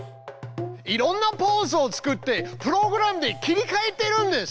いろんなポーズを作ってプログラムで切りかえてるんです。